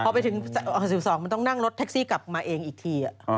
พอไปถึง๖๒มันต้องนั่งรถแท็กซี่กลับมาเองอีกที